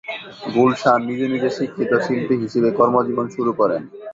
গুলশান নিজে নিজে শিক্ষিত শিল্পী হিসেবে কর্মজীবন শুরু করেন।